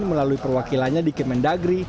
melalui perwakilannya di kementerian negeri